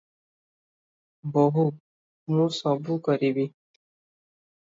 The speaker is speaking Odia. ବୋହୂ- ମୁଁ -ସ -ବୁ - କ -ରି -ବି ।